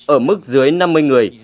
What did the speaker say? ở mức dưới năm mươi người